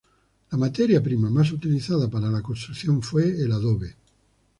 La materia prima más utilizada para la construcción fue el adobe.